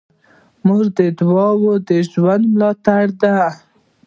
د مور دعا د ژوند ملاتړ ده.